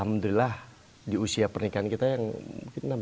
dan alhamdulillah di usia pernikahan kita yang mungkin enam ya